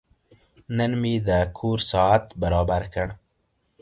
نن مې د کور ساعت برابر کړ.